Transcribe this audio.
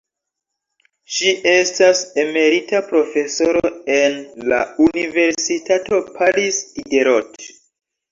Ŝi estas emerita profesoro en la Universitato Paris Diderot.